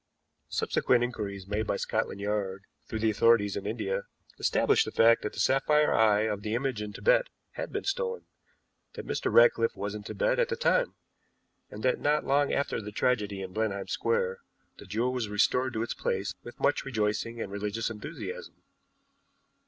Subsequent inquiries made by Scotland Yard through the authorities in India established the fact that the sapphire eye of the image in Tibet had been stolen; that Mr. Ratcliffe was in Tibet at the time; and that not long after the tragedy in Blenheim Square the jewel was restored to its place with much rejoicing and religious enthusiasm.